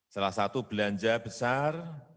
salah satu belanja besar